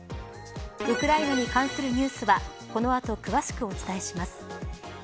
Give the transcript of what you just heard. ウクライナに関するニュースはこの後、詳しくお伝えします。